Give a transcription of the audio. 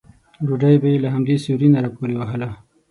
ډوډۍ به یې له همدې سوري نه راپورې وهله.